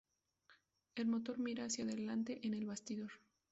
El motor mira hacia delante en el bastidor.